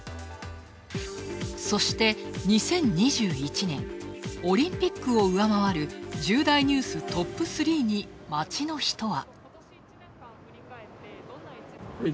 そして、２０２１年、オリンピックを上回る重大ニューストップ３に街の人は。